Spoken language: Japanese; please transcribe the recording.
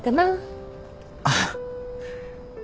あっ。